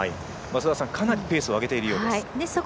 かなりペースを上げているようです。